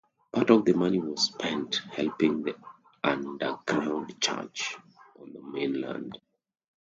Part of the money was spent helping the underground Church on the mainland.